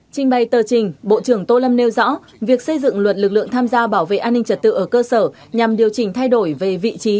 trình bày tờ trình bộ trưởng tô lâm nêu rõ việc xây dựng luật lực lượng tham gia bảo vệ an ninh trật tự ở cơ sở nhằm điều chỉnh thay đổi về vị trí